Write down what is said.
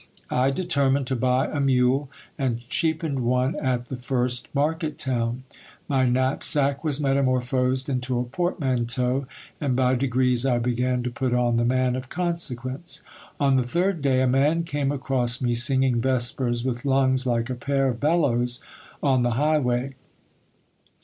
I determined to buy a mule, and cheapened one at the first market town. My knapsack was metamorphosed into a portmanteau, and by degrees I began to put on the man of consequence. On the third day a man came across me singing vespers with lungs like a pair of bellows on the highway.